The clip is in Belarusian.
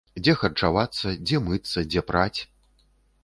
Дзе харчавацца, дзе мыцца, дзе праць?